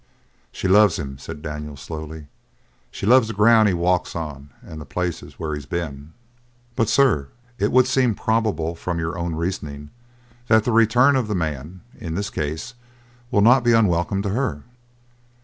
"She loves him," said Daniels slowly. "She loves the ground he walks on and the places where he's been." "But, sir, it would seem probable from your own reasoning that the return of the man, in this case, will not be unwelcome to her."